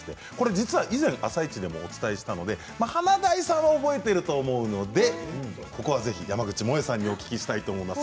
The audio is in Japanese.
実は以前「あさイチ」でもお伝えしたので華大さんは覚えていると思うのでここは、ぜひ山口もえさんにお聞きしたいと思います。